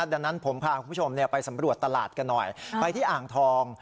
ดังนั้นผมพาคุณผู้ชมไปสำรวจตลาดกันหน่อยไปที่อ่างทอง